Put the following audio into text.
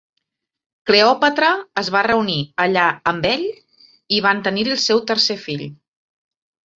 Cleòpatra es va reunir allà amb ell i van tenir-hi el seu tercer fill.